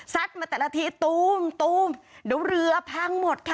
มาแต่ละทีตูมเดี๋ยวเรือพังหมดค่ะ